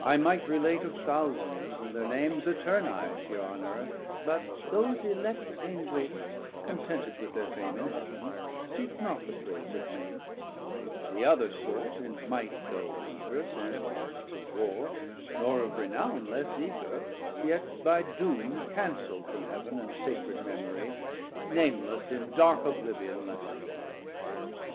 I might relate of thousands, and thir names Eternize here on Earth; but those elect Angels contented with thir fame in Heav'n Seek not the praise of men: the other sort In might though wondrous and in Acts of Warr, Nor of Renown less eager, yet by doome Canceld from Heav'n and sacred memorie, Nameless in dark oblivion let them dwell.